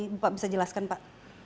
bapak bisa jelaskan pak